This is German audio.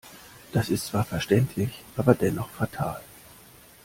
Das ist zwar verständlich, aber dennoch fatal.